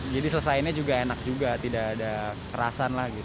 jadi selesainya juga enak juga tidak ada kerasan lah gitu